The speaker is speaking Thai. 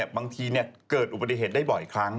บางทีเกิดอุบัติเหตุได้บ่อยครั้ง